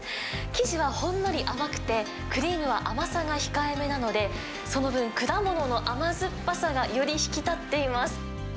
生地はほんのり甘くて、クリームは甘さが控えめなので、その分、果物の甘酸っぱさがより引き立っています。